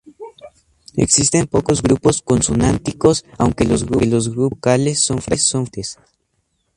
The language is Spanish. Existen pocos grupos consonánticos, aunque los grupos de vocales son frecuentes.